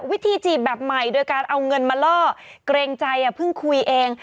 วิธีจีบแบบใหม่โดยการเอาเงินมาล่อเกรงใจเพิ่งคุยเอง